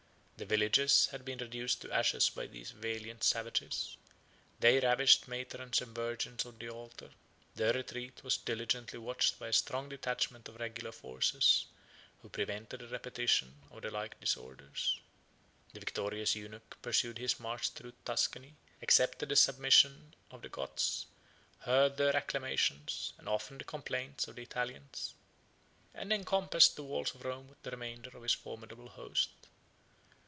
The villages had been reduced to ashes by these valiant savages; they ravished matrons and virgins on the altar; their retreat was diligently watched by a strong detachment of regular forces, who prevented a repetition of the like disorders. The victorious eunuch pursued his march through Tuscany, accepted the submission of the Goths, heard the acclamations, and often the complaints, of the Italians, and encompassed the walls of Rome with the remainder of his formidable host.